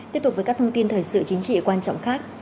tiếp tục với các thông tin thời sự chính trị quan trọng khác